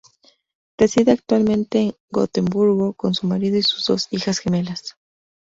Reside actualmente en Gotemburgo con su marido y sus dos hijas gemelas.